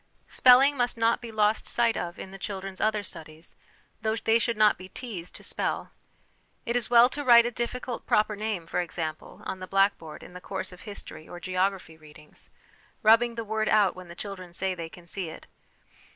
Spelling must not be lost sight of in the children's other studies, though they should not be teased to spell. It is well to write a difficult proper name, for example, on the blackboard in the course of history or geography readings, rubbing the word out when the children say they can see it.